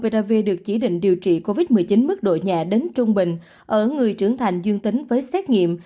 vrv được chỉ định điều trị covid một mươi chín mức độ nhẹ đến trung bình ở người trưởng thành dương tính với xét nghiệm